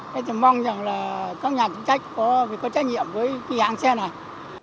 thế thì mong rằng là các nhà chức trách có trách nhiệm với cái hãng xe này